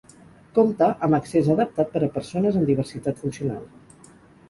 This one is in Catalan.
Compta amb accés adaptat per a persones amb diversitat funcional.